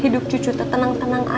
hidup cucu itu tenang tenang aja